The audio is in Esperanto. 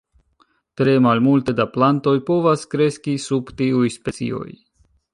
Tre malmulte da plantoj povas kreski sub tiuj specioj.